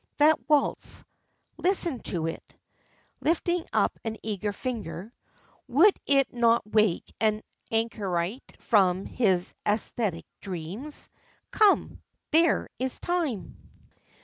That waltz listen to it" lifting up an eager finger "would it not wake an anchorite from his ascetic dreams? Come. There is time.".